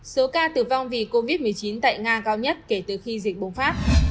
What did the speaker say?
số ca tử vong vì covid một mươi chín tại nga cao nhất kể từ khi dịch bùng phát